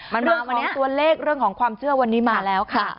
มาวันนี้ตัวเลขเรื่องของความเชื่อวันนี้มาแล้วค่ะ